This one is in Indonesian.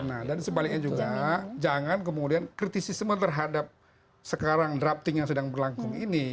nah dan sebaliknya juga jangan kemudian kritisisme terhadap sekarang drafting yang sedang berlangsung ini